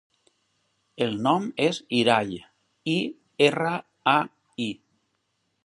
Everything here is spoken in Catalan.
El nom és Irai: i, erra, a, i.